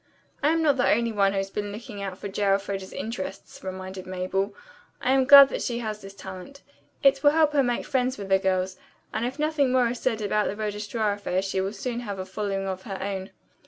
"I am not the only one who has been looking out for J. Elfreda's interests," reminded Mabel. "I am glad that she has this talent. It will help her to make friends with the girls, and if nothing more is said about the registrar affair she will soon have a following of her own."